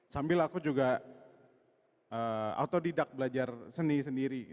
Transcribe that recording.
sambil aku juga autodidak belajar seni sendiri